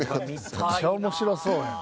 めっちゃ面白そうやん！